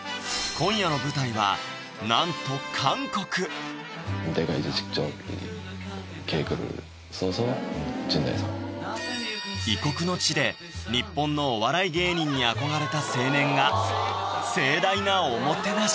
今夜の舞台はなんと異国の地で日本のお笑い芸人に憧れた青年が盛大なおもてなし！